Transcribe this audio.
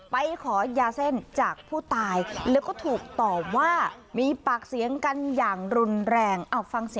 ไปขอยาเส้นจากผู้ตายแล้วก็ถูกตอบว่ามีปากเสียงกันอย่างรุนแรงเอาฟังเสียง